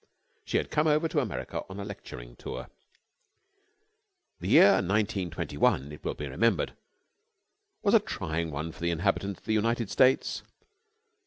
She had come over to America on a lecturing tour. The year 1921, it will be remembered, was a trying one for the inhabitants of the United States.